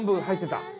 入ってた。